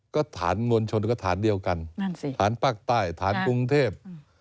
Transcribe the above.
ก็ฐานงวลชนก็ฐานเดียวกันฐานปากใต้ฐานกรุงเทพฯ